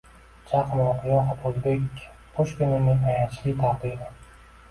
Chaqmoq yoxud o‘zbek Pushkinining ayanchli taqdiri